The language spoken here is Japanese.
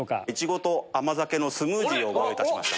苺と甘酒のスムージーをご用意いたしました。